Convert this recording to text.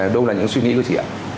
đâu là những suy nghĩ của chị ạ